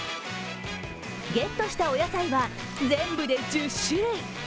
ゲットしたお野菜は全部で１０種類。